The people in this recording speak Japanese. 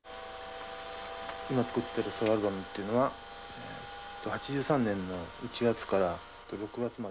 今作ってるソロアルバムっていうのは８３年の１月から６月まで。